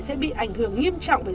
sẽ bị ảnh hưởng nghiêm trọng với